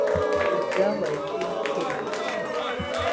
ibi byabaye muri weekend ishize